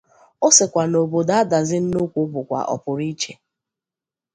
Ọ sịkwa na obodo Adazi-Nnukwu bụkwa ọpụrụiche